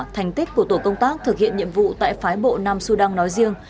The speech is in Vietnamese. thành tích của tổ công tác thực hiện nhiệm vụ tại phái bộ nam sudan nói riêng